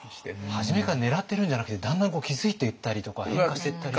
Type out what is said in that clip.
初めから狙ってるんじゃなくてだんだん気付いていったりとか変化していったりして。